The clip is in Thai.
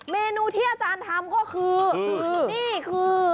เมนูที่อาจารย์ทำก็คือนี่คือ